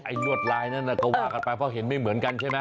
ลวดลายนั้นก็ว่ากันไปเพราะเห็นไม่เหมือนกันใช่ไหม